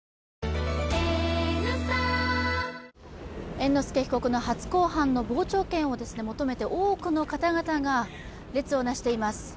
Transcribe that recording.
猿之助被告の初公判の傍聴券を求めて多くの方々が列を成しています。